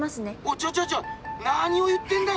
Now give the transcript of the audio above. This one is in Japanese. ちょちょちょなにを言ってんだよ！